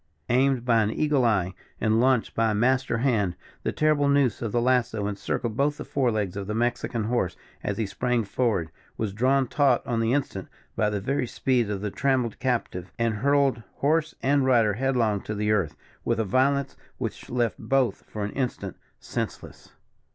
Aimed by an eagle eye, and launched by a master hand, the terrible noose of the lasso encircled both the forelegs of the Mexican horse as he sprang forward, was drawn taut on the instant by the very speed of the trammelled captive, and hurled horse and rider headlong to the earth, with a violence which left both for an instant senseless.